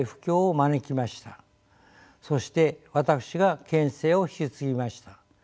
そして私が県政を引き継ぎました。